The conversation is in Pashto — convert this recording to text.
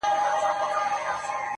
له دې جهانه بېل وي.